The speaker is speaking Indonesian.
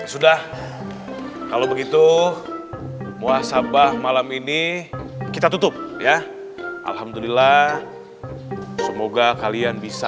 sudah kalau begitu muasabah malam ini kita tutup ya alhamdulillah semoga kalian bisa